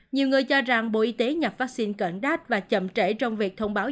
nhiều người cho rằng bộ y tế nhập vaccine cẩn đát và chậm trễ trong việc thông báo